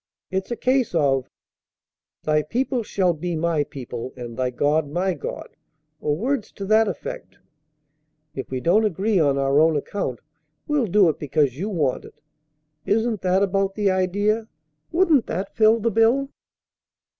It's a case of 'Thy people shall be my people, and thy God my God,' or words to that effect. If we don't agree on our own account, we'll do it because you want it. Isn't that about the idea? Wouldn't that fill the bill?"